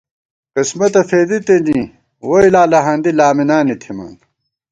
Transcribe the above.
قسمَتہ فېدی تِنی، ووئی لالہاندی لامِنانی تھِمان